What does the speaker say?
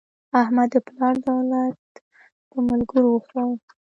احمد د پلار دولت په ملګرو وخوړ.